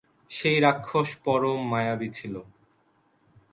সেই রাক্ষস পরম মায়াবী ছিল।